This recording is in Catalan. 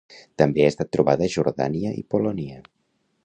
També ha estat trobada a Jordània i Polònia.